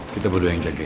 kita berdua yang jagain